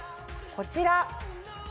こちら。